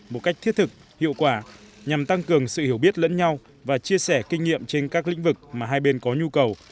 một cách thiết thực hiệu quả nhằm tăng cường sự hiểu biết lẫn nhau và chia sẻ kinh nghiệm trên các lĩnh vực mà hai bên có nhu cầu